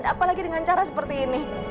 apalagi dengan cara seperti ini